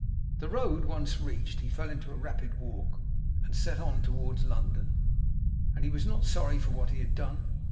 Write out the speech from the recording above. The road once reached, he fell into a rapid walk, and set on toward London. And he was not sorry for what he had done.